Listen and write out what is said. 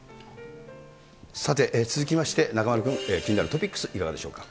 さて、続きまして中丸君、気になるトピックス、いかがでしょうか。